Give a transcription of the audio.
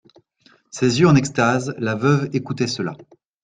Ses yeux en extase, la veuve écoutait cela.